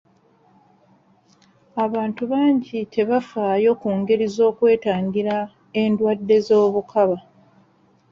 Abantu bangi tebafaayo ku ngeri z'okwetangira endwadde z'obukaba.